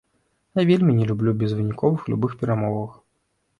Я вельмі не люблю безвыніковых любых перамоваў.